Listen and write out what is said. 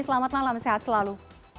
selamat malam sehat selalu